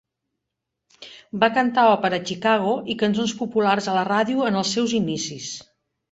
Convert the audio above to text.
Va cantar òpera a Chicago i cançons populars a la ràdio en els seus inicis.